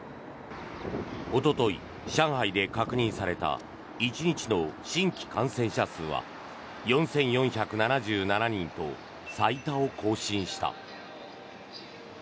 おととい、上海で確認された１日の新規感染者数は４４７７人と最多を更新した。